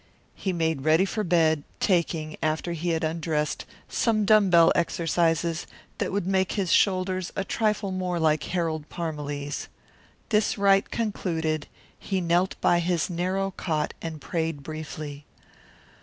He made ready for bed, taking, after he had undressed, some dumb bell exercises that would make his shoulders a trifle more like Harold Parmalee's. This rite concluded, he knelt by his narrow cot and prayed briefly.